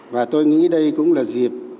và tôi nghĩ đây cũng là dịp